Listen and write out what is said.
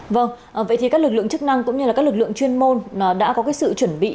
vâng vậy thì các lực lượng chức năng cũng như là các lực lượng chuyên môn đã có cái sự chuẩn bị